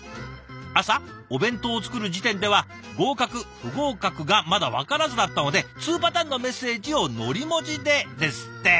朝お弁当を作る時点では合格不合格がまだ分からずだったので２パターンのメッセージをのり文字でですって。